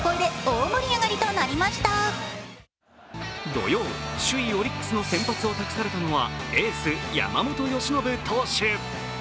土曜、首位オリックスの先発を託されたのはエース・山本由伸投手。